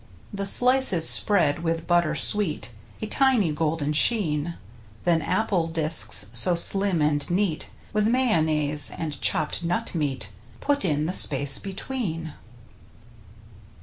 The slices spread with butter sweet — A tiny, golden sheen — Then apple discs, so slim and neat, With mayonnaise, and chopped nut meat. Put in the space between.